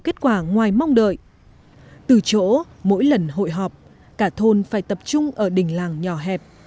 kết quả ngoài mong đợi từ chỗ mỗi lần hội họp cả thôn phải tập trung ở đỉnh làng nhỏ hẹp